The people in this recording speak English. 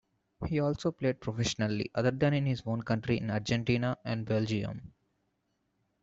He also played professionally, other than in his own country, in Argentina and Belgium.